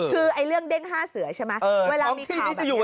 คือเรื่องเด้งห้าเสือใช่ไหม